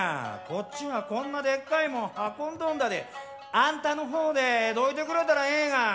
こっちはこんなでっかいもん運んどんだてあんたの方でどいてくれたらええがな」。